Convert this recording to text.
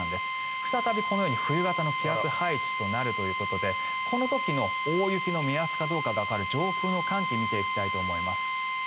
再びこのように冬型の気圧配置となるということでこの時の大雪の目安かどうかがわかる上空の寒気を見ていきたいと思います。